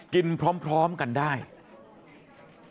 นี่เหมือนหยอดปริศนาธรรมทางการเมืองอีกเห็นมั้ย